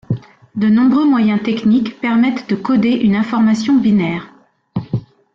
De nombreux moyens techniques permettent de coder une information binaire.